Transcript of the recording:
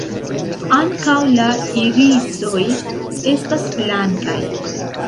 Ankaŭ la irisoj estas blankaj.